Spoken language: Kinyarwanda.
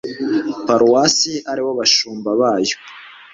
paruwasi aribo bashumba bayo